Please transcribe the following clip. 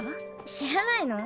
知らないの？